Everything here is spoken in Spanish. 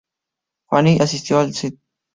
Fanning asistió al St.